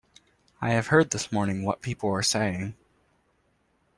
I have heard this morning what people are saying.